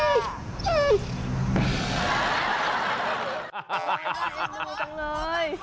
อย่างแรงดูตัวเลย